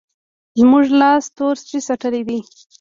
زموږ لاس تور سپی څټلی دی.